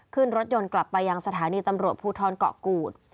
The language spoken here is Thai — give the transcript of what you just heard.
ขึ้นรถยนต์กลับไปยังสถานีตำรวจภูทรเกาะกูด